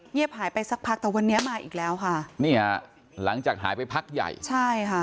หายไปสักพักแต่วันนี้มาอีกแล้วค่ะนี่ฮะหลังจากหายไปพักใหญ่ใช่ค่ะ